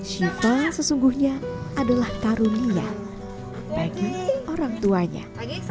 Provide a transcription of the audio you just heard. shiva sesungguhnya adalah karunia bagi orang tuanya